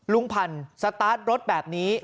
พันธุ์สตาร์ทรถแบบนี้